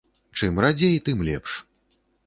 Чым радзей, тым лепш.